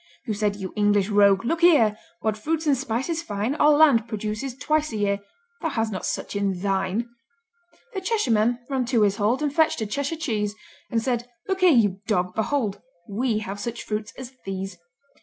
Who said, "You English rogue, look here! What fruits and spices fine Our land produces twice a year. Thou has not such in thine." The Cheshireman ran to his hold And fetched a Cheshire cheese, And said, "Look here, you dog, behold! We have such fruits as these.